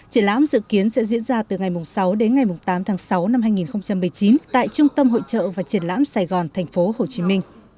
triển lãm dự kiến sẽ diễn ra từ ngày sáu đến ngày tám tháng sáu năm hai nghìn một mươi chín tại trung tâm hội trợ và triển lãm sài gòn tp hcm